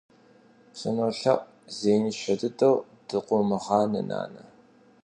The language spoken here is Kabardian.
СынолъэӀу, зеиншэ дыдэу дыкъыумыгъанэ, нанэ.